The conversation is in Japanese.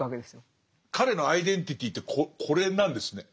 彼のアイデンティティーってこれなんですね。